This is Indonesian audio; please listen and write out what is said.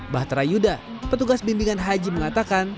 bahtera yuda petugas bimbingan haji mengatakan